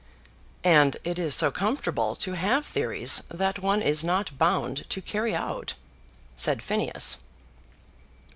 "And it is so comfortable to have theories that one is not bound to carry out," said Phineas.